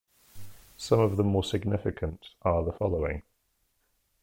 Some of the more significant are the following.